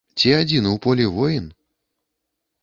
Ці адзін у полі воін?